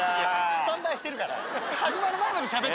スタンバイしてるから。